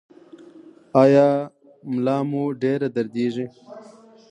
ایا ملا مو ډیره دردیږي؟